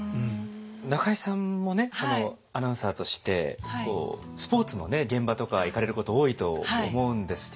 中井さんもねアナウンサーとしてスポーツの現場とか行かれること多いと思うんですけれども。